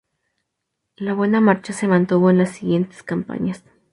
La buena marcha se mantuvo en las siguientes campañas.